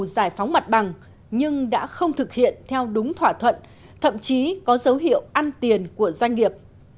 giải phóng mặt bằng nhưng đã không thực hiện theo đúng thỏa thuận thậm chí có dấu hiệu ăn tiền của doanh nghiệp